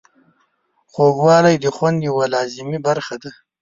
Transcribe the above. خوږوالی د خوند یوه لازمي برخه ده.